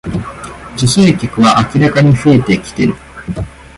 女性客は明らかに増えてきてる